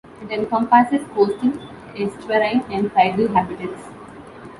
It encompasses coastal, estuarine, and tidal habitats.